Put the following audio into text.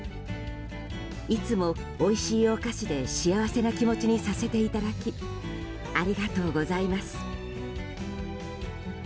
いつもおいしいお菓子で幸せな気持ちにさせていただきありがとうございます。